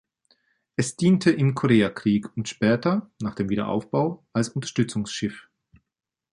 Es diente im Koreakrieg und später, nach dem Wiederaufbau, als Unterstützungsschiff.